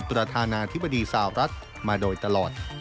ประธานาธิบดีสาวรัฐมาโดยตลอด